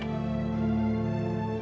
aku tak tahu kenapa